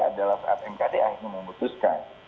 adalah saat mkda ini memutuskan